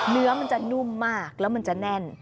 เนื้อมันจะนุ่มมากแล้วมันจะแน่น